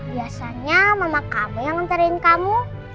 biasanya mama kamu yang nganterin kamu